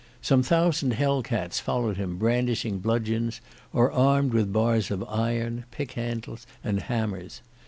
Some thousand Hell cats followed him brandishing bludgeons, or armed with bars of iron, pickhandles, and hammers.